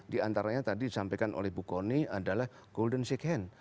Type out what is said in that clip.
di antaranya tadi disampaikan oleh bu kony adalah golden sick hand